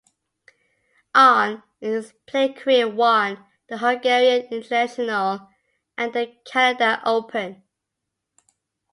Ahn in his playing career won the Hungarian International and the Canada Open.